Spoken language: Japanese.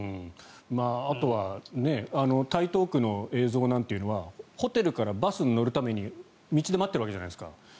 あとは台東区の映像なんていうのはホテルからバスに乗るために道で待ってるわけじゃないですか。